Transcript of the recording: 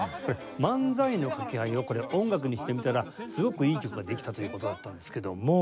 漫才の掛け合いをこれ音楽にしてみたらすごくいい曲ができたという事だったんですけども。